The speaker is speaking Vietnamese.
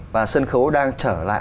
và sân khấu đang trở lại